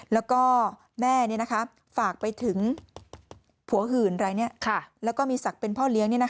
แล้วก็แม่ฝากไปถึงผัวหื่นอะไรแล้วก็มีศักดิ์เป็นพ่อเลี้ยง